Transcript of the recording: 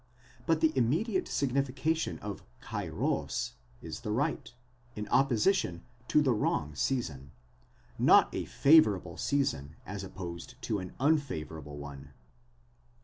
4 But the immediate signification of καιρὸς is the right, in opposition to the wrong season, not a favourable season as opposed to an unfavourable one.